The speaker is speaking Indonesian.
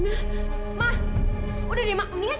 ya ma dia gak bohong